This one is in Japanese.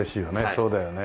そうだよね。